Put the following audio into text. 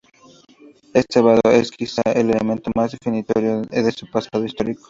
Este vado es, quizá, el elemento más definitorio de su pasado histórico.